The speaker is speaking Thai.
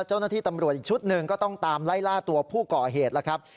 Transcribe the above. เจ้าหน้าที่ตำรวจอีกชุดหนึ่งก็ต้องตามไล่ล่าตัวผู้ก่อเหตุแล้วครับ